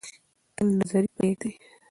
تنگ نظري پریږدئ.